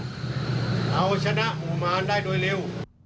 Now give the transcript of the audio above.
เอาชนะหมู่มารได้โดยเร็ว